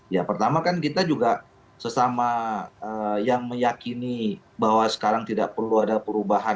ya pertama kan kita juga sesama yang meyakini bahwa sekarang tidak perlu ada perubahan